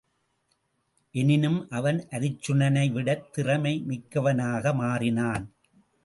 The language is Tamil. எனினும் அவன் அருச்சுனனை விடத் திறமை மிக்கவனாக மாறினான்.